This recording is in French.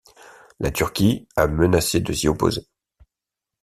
La Turquie a menacé de s'y opposer.